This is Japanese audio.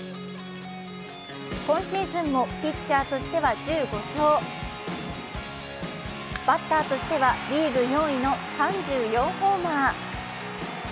今シーズンもピッチャーとしては１５勝、バッターとしてはリーグ４位の３４ホーマー。